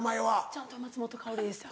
ちゃんと松本薫でした。